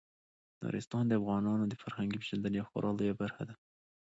نورستان د افغانانو د فرهنګي پیژندنې یوه خورا لویه برخه ده.